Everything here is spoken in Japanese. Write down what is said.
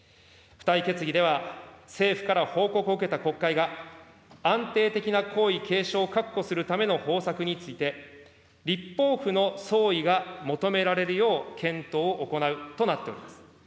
付帯決議では、政府から報告を受けた国会が、安定的な皇位継承を確保するための方策について、立法府の総意が求められるよう検討を行うとなっています。